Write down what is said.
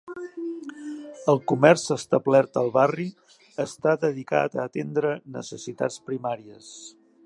El comerç establert al barri està dedicat a atendre necessitats primàries.